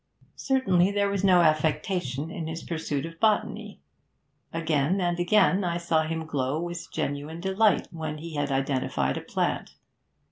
Certainly there was no affectation in his pursuit of botany; again and again I saw him glow with genuine delight when he had identified a plant.